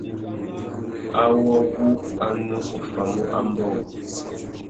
Awô wu a nu offamú ambōh.